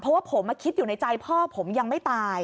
เพราะว่าผมคิดอยู่ในใจพ่อผมยังไม่ตาย